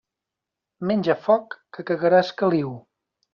Menja foc, que cagaràs caliu.